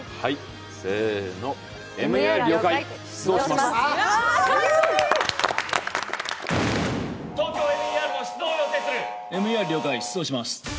せーの、ＭＥＲ、了解、出動します。